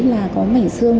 là có mảnh sương